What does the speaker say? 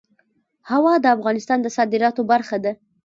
هوا د افغانستان د صادراتو برخه ده.